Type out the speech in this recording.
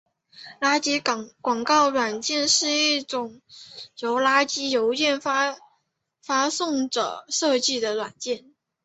垃圾广告软件是一种由垃圾邮件发送者设计的软件。